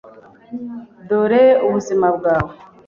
Dore ubuzima bwawe!